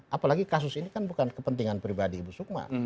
apalagi kasus ini kan bukan kepentingan pribadi ibu sukma